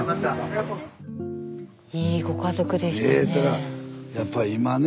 いいご家族でしたね。